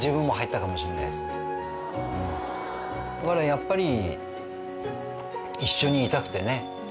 やっぱり。